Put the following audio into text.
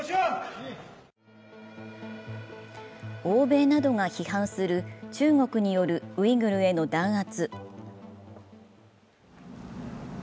欧米などが批判する中国によるウイグルへの弾圧。